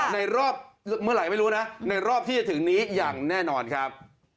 ในรอบเมื่อไหร่ไม่รู้นะในรอบที่จะถึงนี้อย่างแน่นอนครับ